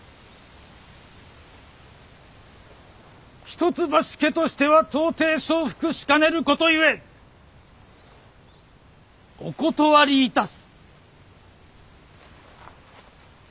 一橋家としては到底承服しかねることゆえお断りいたす。